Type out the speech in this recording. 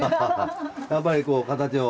やっぱりこう形を。